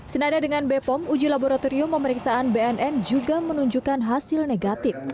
senada dengan bepom uji laboratorium pemeriksaan bnn juga menunjukkan hasil negatif